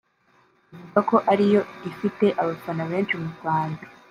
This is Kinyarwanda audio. bivugwa ko ariyo ifite abafana benshi mu Rwanda